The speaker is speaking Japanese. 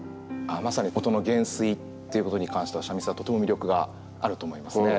ああまさに音の減衰っていうことに関しては三味線はとても魅力があると思いますね。